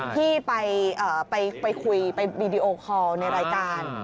ที่ไปคุยไปวีดีโอคอลในรายการ